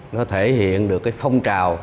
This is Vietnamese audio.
nó thể hiện được phong trào